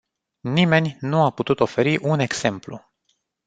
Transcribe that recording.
Nimeni nu a putut oferi un exemplu.